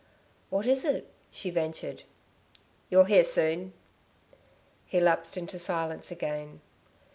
"What is it?" she ventured. "You'll hear soon." He lapsed into silence again.